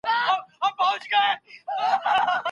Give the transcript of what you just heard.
تاسو قدرت په سمه توګه وکاروئ.